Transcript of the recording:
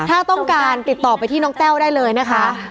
ถ้าต้องการติดต่อไปที่น้องแต้วได้เลยนะคะ